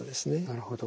なるほど。